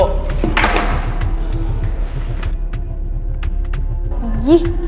ih keselin banget